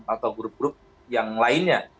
atau grup grup yang lainnya